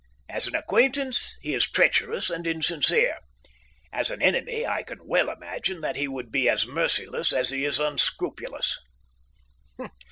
As an acquaintance he is treacherous and insincere; as an enemy, I can well imagine that he would be as merciless as he is unscrupulous.